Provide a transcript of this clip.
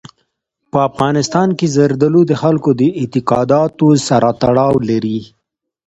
په افغانستان کې زردالو د خلکو د اعتقاداتو سره تړاو لري.